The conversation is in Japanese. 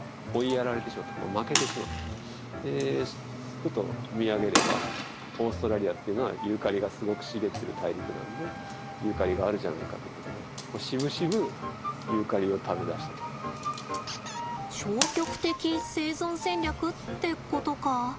ふと見上げればオーストラリアっていうのはユーカリがすごく茂っている大陸なのでユーカリがあるじゃないかということで消極的生存戦略ってことか？